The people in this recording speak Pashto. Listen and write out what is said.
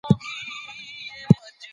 یووالي کي ستر برکت دی.